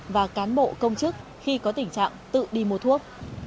và cán bộ công chức khi có tình trạng tự đi mua thuốc